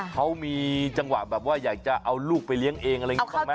เขามีจังหวะแบบว่าอยากจะเอาลูกไปเลี้ยงเองอะไรอย่างนี้บ้างไหม